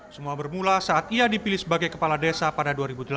semua bermula saat ia dipilih sebagai kepala desa pada dua ribu delapan